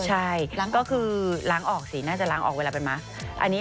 ใช่ก็คือล้างออกสิน่าจะล้างออกเวลาเป็นม้า